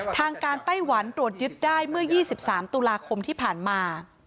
ทางการไต้หวันตรวจยึดได้เมื่อ๒๓ตุลาคมที่ผ่านมา